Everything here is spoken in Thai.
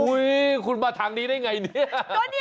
อุ้ยคุณมาทางนี้ได้อย่างไรนี่